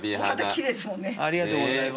ありがとうございます。